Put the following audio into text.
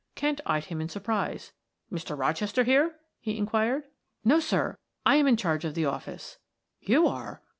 Kent eyed him in surprise. "Mr. Rochester here?" he inquired. "No, sir. It am in charge of the office." "You are!"